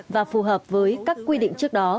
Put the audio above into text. và phù hợp với các quy định trước đó